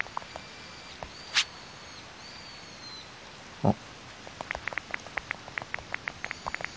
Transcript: あっ。